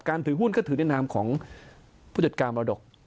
ถือหุ้นก็ถือในนามของผู้จัดการมรดก